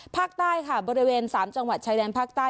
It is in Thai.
ภาคใต้ค่ะบริเวณ๓จังหวัดชายแดนภาคใต้